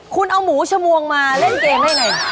คุณเอาหมูชมวงมาเล่นเกมได้ไง